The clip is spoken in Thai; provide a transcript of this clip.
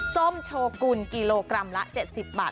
ส้มโชกุลกิโลกรัมละ๗๐บาท